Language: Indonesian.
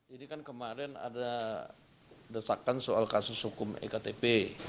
ini kan kemarin ada desakan soal kasus hukum ektp